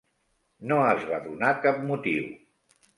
No es va donar cap motiu.